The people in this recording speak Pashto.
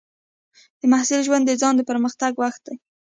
د محصل ژوند د ځان پرمختګ وخت دی.